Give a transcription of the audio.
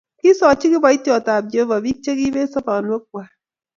Kisochi kiboityotab jehovah biik chekibet sobonwekkwai